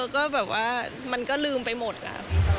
ก็แบบว่ามันก็ลืมไปหมดแล้ว